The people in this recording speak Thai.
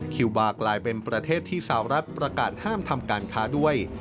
คิวบาร์กลายเป็นประเทศที่สาวรัฐประกาศห้ามทำการค้าด้วย